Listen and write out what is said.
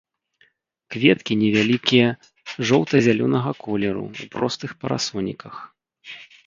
Кветкі невялікія, жоўта-зялёнага колеру, у простых парасоніках.